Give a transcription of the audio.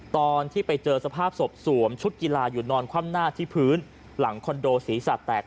ตอนที่ไปเจอสภาพศพสวมชุดกีฬาอยู่นอนคว่ำหน้าที่พื้นหลังคอนโดศีรษะแตก